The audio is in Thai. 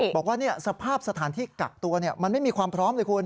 บอกว่าสภาพสถานที่กักตัวมันไม่มีความพร้อมเลยคุณ